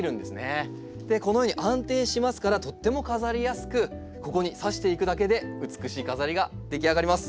このように安定しますからとっても飾りやすくここに挿していくだけで美しい飾りが出来上がります。